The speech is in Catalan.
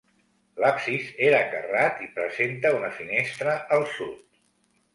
L'absis era carrat i presenta una finestra al Sud.